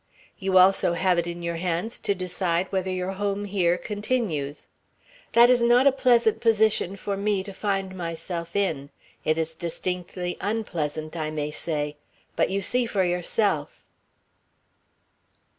You also have it in your hands to decide whether your home here continues. That is not a pleasant position for me to find myself in. It is distinctly unpleasant, I may say. But you see for yourself."